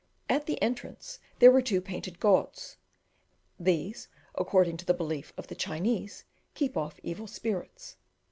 At the entrance there were two painted gods: these, according to the belief of the Chinese, keep off evil spirits.